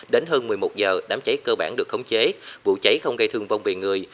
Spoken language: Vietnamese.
đến hơn một mươi một giờ đám cháy cơ bản được khống chế vụ cháy không gây thương vong về người